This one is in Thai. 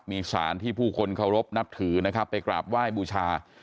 มีสารที่ผู้คนเคารพนับถือนะครับไปกราบไหว้บูชา